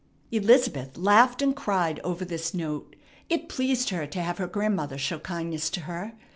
Elizabeth laughed and cried over this note. It pleased her to have her grandmother show kindness to her.